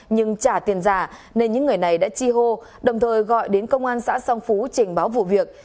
nhưng trả tiền giả nên những người này đã chi hô đồng thời gọi đến công an xã song phú trình báo vụ việc